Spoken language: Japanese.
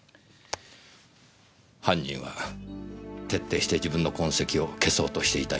犯人は徹底して自分の痕跡を消そうとしていたようです。